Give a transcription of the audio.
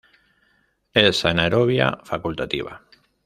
Es anaerobia facultativa.